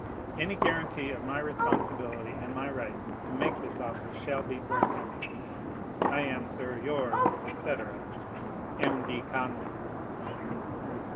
Any guarantee of my responsibility and my right to make this offer shall be forthcoming. I am, sir, yours, etc., M. D. Convay.